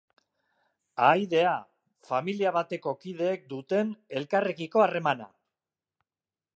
Ahaidea, familia bateko kideek duten elkarrekiko harremana.